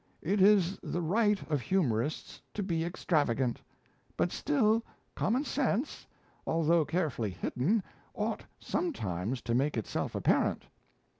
"It is the right of humorists to be extravagant; but still common sense, although carefully hidden, ought sometimes to make itself apparent.